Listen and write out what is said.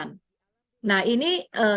untuk disemai menjadi hujan